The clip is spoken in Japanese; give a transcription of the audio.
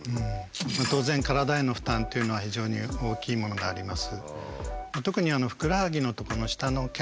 当然体への負担っていうのは非常に大きいものがあります。